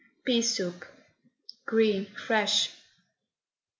PEA SOUP, GREEN (FRESH).